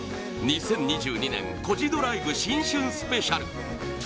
２０２２年コジドライブ新春スペシャル